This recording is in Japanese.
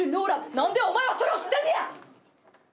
何でお前はそれを知ってんねや！